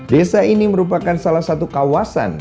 desa ini merupakan salah satu kawasan